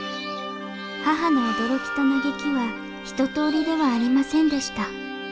母の驚きと嘆きは一とおりではありませんでした